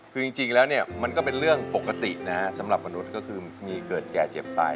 คือจริงแล้วเนี่ยมันก็เป็นเรื่องปกตินะฮะสำหรับมนุษย์ก็คือมีเกิดแก่เจ็บตาย